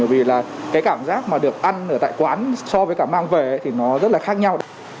vì là cái cảm giác mà được ăn ở tại quán so với cả mang về thì nó rất là khác nhau